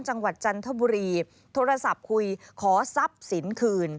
จันทบุรีโทรศัพท์คุยขอทรัพย์สินคืน